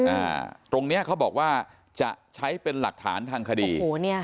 อ่าตรงเนี้ยเขาบอกว่าจะใช้เป็นหลักฐานทางคดีโอ้โหเนี้ย